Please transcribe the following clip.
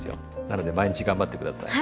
なので毎日頑張って下さい。